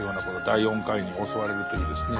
第４回に教われるといいですね。